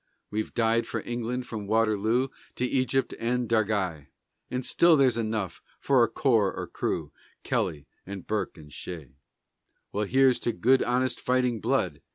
We've died for England from Waterloo To Egypt and Dargai; And still there's enough for a corps or crew, Kelly and Burke and Shea." "Well, here's to good honest fighting blood!"